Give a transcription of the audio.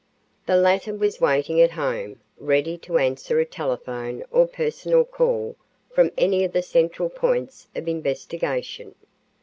The latter was waiting at home, ready to answer a telephone or personal call from any of the central points of investigation.